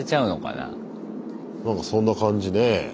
なんかそんな感じね。